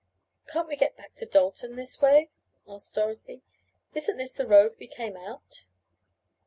"Can't we get back to Dalton this way?" asked Dorothy. "Isn't this the road we came out?"